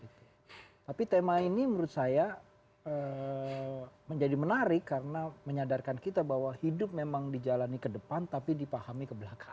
tapi tema ini menurut saya menjadi menarik karena menyadarkan kita bahwa hidup memang dijalani ke depan tapi dipahami ke belakang